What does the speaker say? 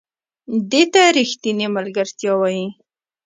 دې ته ریښتینې ملګرتیا وایي .